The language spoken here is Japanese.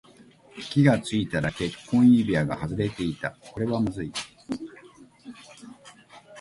気がついたら結婚指輪が外れていた。これはまずい。